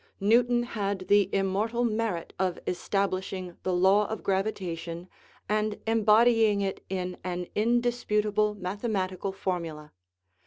Newton had the immortal merit of establishing the law of gravitation and embodying it in an indisputable mathematical formula.